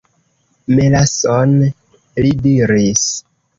"Melason," li diris.